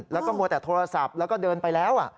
แล้วก็มัวแต่โทรศัพท์แล้วก็เดินไปแล้ว